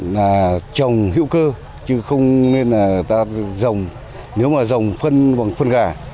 là trồng hữu cơ chứ không nên là người ta dòng nếu mà dòng phân bằng phân gà